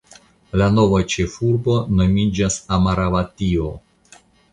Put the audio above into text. La nova ĉefurbo nomiĝas Amaravatio.